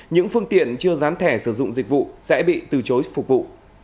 những phương tiện chưa dán thẻ sử dụng dịch vụ sẽ bị từ chối phục vụ